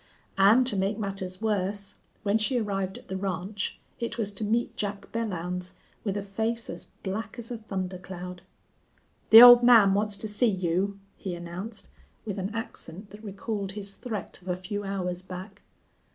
And to make matters worse, when she arrived at the ranch it was to meet Jack Belllounds with a face as black as a thunder cloud. "The old man wants to see you," he announced, with an accent that recalled his threat of a few hours back.